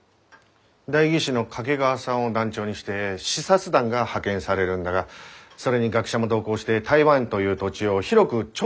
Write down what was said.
代議士の掛川さんを団長にして視察団が派遣されるんだがそれに学者も同行して台湾という土地を広く調査することとなった。